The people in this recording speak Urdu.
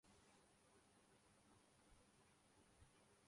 ابھی ایک سکینڈل سامنے آیا کہ کیسے زرعی تحقیقی ادارے